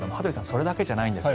それだけじゃないんです。